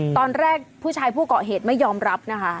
ตอนแรกผู้ชายผู้เกาะเหตุไม่ยอมรับนะคะ